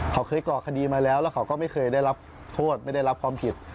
เขาเคยก่อคดีมาแล้วแล้วเขาก็ไม่เคยได้รับโทษไม่ได้รับความผิด